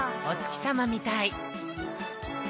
おつきさまみたい。